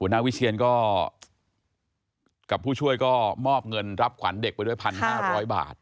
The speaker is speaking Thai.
วิเชียนก็กับผู้ช่วยก็มอบเงินรับขวัญเด็กไปด้วย๑๕๐๐บาท